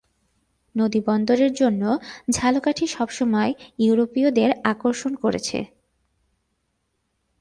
নদী বন্দরের জন্য ঝালকাঠি সবসময় ইউরোপীয়দের আকর্ষণ করেছে।